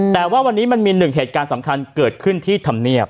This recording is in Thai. แต่ว่าวันนี้มันมีหนึ่งเหตุการณ์สำคัญเกิดขึ้นที่ธรรมเนียบ